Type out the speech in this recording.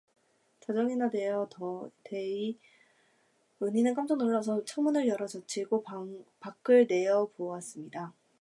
자정이나 거의 되어 은희는 깜짝 놀라서 창문을 열어젖히고 밖을 내어다보았습니다.